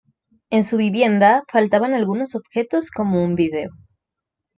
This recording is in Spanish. En su vivienda faltaban algunos objetos como un video.